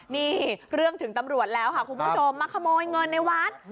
นี่เรื่องถึงตำรวจแล้วค่ะคุณผู้ชมมาขโมยเงินในวัด